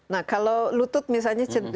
nah kalau lutut misalnya